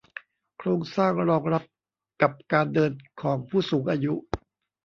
โครงสร้างรองรับกับการเดินของผู้สูงอายุ